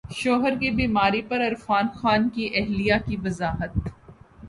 شوہر کی بیماری پر عرفان خان کی اہلیہ کی وضاحت